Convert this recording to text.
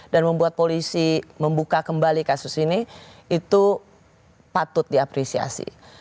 dan membuat polisi membuka kembali kasus ini itu patut diapresiasi